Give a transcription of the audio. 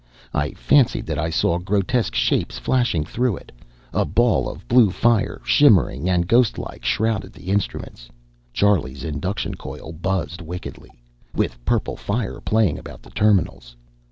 I fancied that I saw grotesque shapes flashing through it. A ball of blue fire, shimmering and ghost like, shrouded the instruments. Charlie's induction coil buzzed wickedly, with purple fire playing about the terminals.